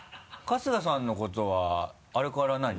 春日さんのことはあれから何？